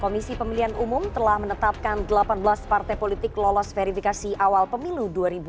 komisi pemilihan umum telah menetapkan delapan belas partai politik lolos verifikasi awal pemilu dua ribu dua puluh